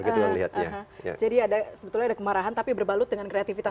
jadi sebetulnya ada kemarahan tapi berbalut dengan kreativitas mereka